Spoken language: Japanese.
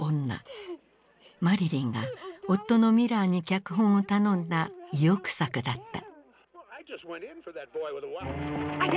マリリンが夫のミラーに脚本を頼んだ意欲作だった。